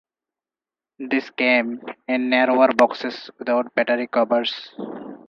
These came in narrower boxes without battery covers.